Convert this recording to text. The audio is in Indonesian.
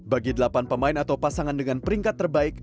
bagi delapan pemain atau pasangan dengan peringkat terbaik